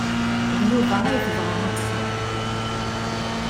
D Yuba ay tebɣa ad tẓer.